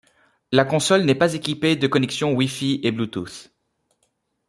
La console n'est pas équipée de connexion Wi-Fi et Bluetooth.